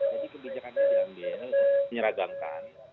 jadi kebijakannya diambil untuk menyeragamkan